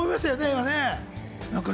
今ね。